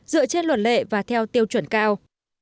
dựa trên luận lệ và theo tiêu chuẩn cao